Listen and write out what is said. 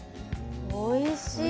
おいしい！